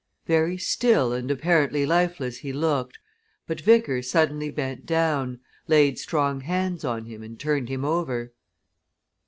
Very still and apparently lifeless he looked, but Vickers suddenly bent down, laid strong hands on him and turned him over.